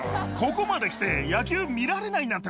ここまで来て野球見られない